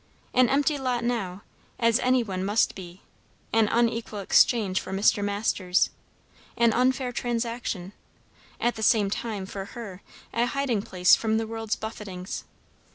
An empty lot now, as any one must be; an unequal exchange for Mr. Masters; an unfair transaction; at the same time, for her, a hiding place from the world's buffetings.